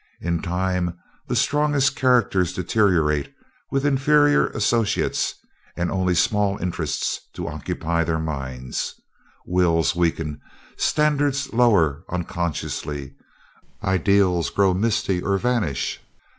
In time the strongest characters deteriorate with inferior associates and only small interests to occupy their minds. Wills weaken, standards lower unconsciously, ideals grow misty or vanish.